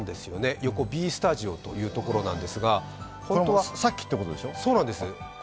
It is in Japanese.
横、Ｂスタジオというところなんですがさっきってことでしょう？